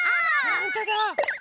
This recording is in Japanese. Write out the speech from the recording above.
ほんとだ！